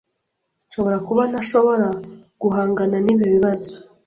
Nshobora kuba ntashobora guhangana nibi bibazo.